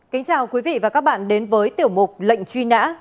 kính chào quý vị và các bạn đến với tiểu mục lệnh truy nã